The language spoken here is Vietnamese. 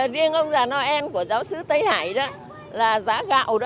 riêng ông già noel của giáo sứ tây hải là giã gạo